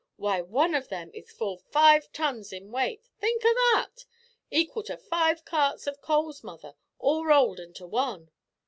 Why, one of 'em is full five tons in weight think o' that! equal to five carts of coals, mother, all rolled into one."